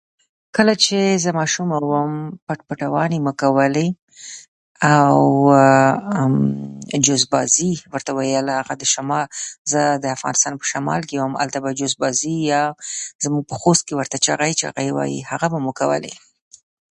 کله چې زه ماشومه وم، پټ پټوانې مو کولې او جز بازي ورته ویله. هغه د شما، زه د افغانستان په شمال کې وم؛ هلته به جز بازي، یا زموږ په خوست کې ورته چغۍ چغۍ وايي، هغه به مو کولې.